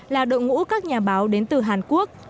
là đội ngũ các nhà báo đến từ hàn quốc